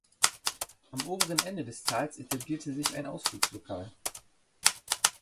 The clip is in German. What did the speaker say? Am oberen Ende des Tals etablierte sich ein Ausflugslokal.